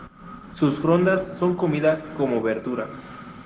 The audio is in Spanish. Sus frondas son comidas como verdura.